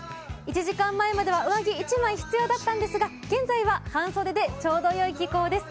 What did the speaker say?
１時間前では上着が１枚必要だったんですが、現在は半袖でちょうどいい気温です。